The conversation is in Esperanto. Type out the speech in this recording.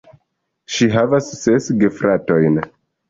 Ŝi havas ses gefratojn.